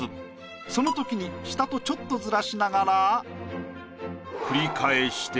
そのときに下とちょっとずらしながら。